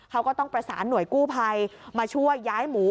เขาก็ต้องประสานหน่วยกู้ภัยมาช่วยย้ายหมู